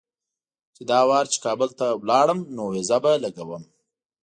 چې دا وار چې کابل ته لاړم نو ویزه به لګوم.